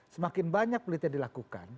semakin banyak penelitian dilakukan